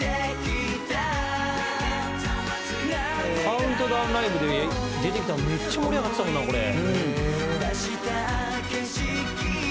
「カウントダウンライブで出てきたらめっちゃ盛り上がってたもんなこれ」